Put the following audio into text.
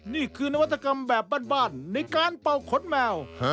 นี่คือนวัตกรรมแบบบ้านในการเป่าขนแมว